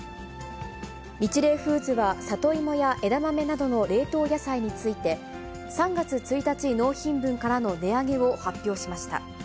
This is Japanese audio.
ニチレイフーズは、里芋や枝豆などの冷凍野菜について、３月１日納品分からの値上げを発表しました。